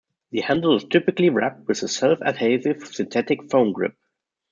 The handle is typically wrapped with a self-adhesive synthetic foam grip.